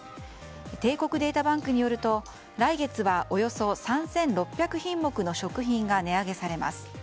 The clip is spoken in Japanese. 帝国データバンクによると来月は、およそ３６００品目の食品が値上げされます。